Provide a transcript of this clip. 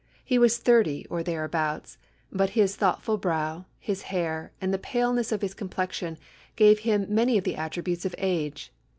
He was thirty or thereabouts, but his thoughtful brow, his hair, and the paleness of his complexion, gave him many of the attributes of age.